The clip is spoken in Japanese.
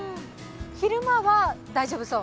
昼間は大丈夫そう。